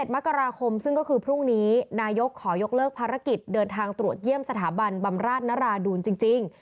มกราคมซึ่งก็คือพรุ่งนี้นายกขอยกเลิกภารกิจเดินทางตรวจเยี่ยมสถาบันบำราชนราดูลจริง